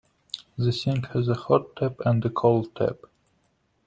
The sink has a hot tap and a cold tap